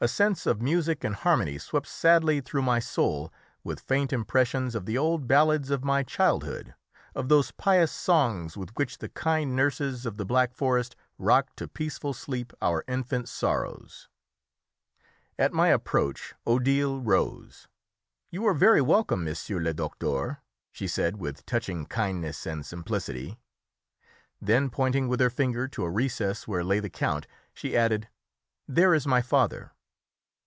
A sense of music and harmony swept sadly through by soul, with faint impressions of the old ballads of my childhood of those pious songs with which the kind nurses of the Black Forest rock to peaceful sleep our infant sorrows. At my approach Odile rose. "You are very welcome, monsieur le docteur," she said with touching kindness and simplicity; then, pointing with her finger to a recess where lay the count, she added, "There is my father."